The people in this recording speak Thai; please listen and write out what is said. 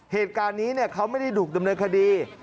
เหตุการณ์นี้เขาไม่ได้ถูกดำเนินคดี